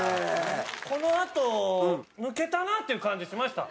このあと抜けたなっていう感じしました。